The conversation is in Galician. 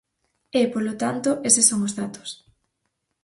E, polo tanto, eses son os datos.